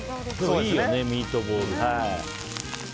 いいよね、ミートボール。